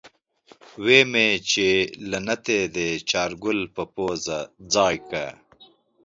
وی مې چې له نتې دې چارګل پۀ پوزه ځای که۔